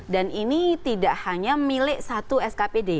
dan ini tidak hanya milik satu skpd